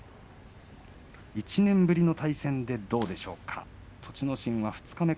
１年ぶりの対戦はどうでしょうか。